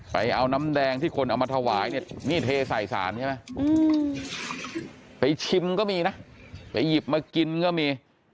ไปเอาน้ำแดงที่คนเอามาถวายเนี่ยนี่เทใส่สารใช่ไหมไปชิมก็มีนะไปหยิบมากินก็มี